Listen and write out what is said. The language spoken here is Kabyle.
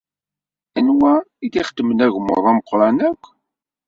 Anwa i d-ixedmen agmuḍ ameqran akk?